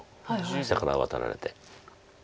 下からワタられて。